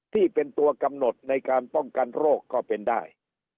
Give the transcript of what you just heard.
ที่เป็นตัวกำหนดในการป้องกันโรคก็เป็นได้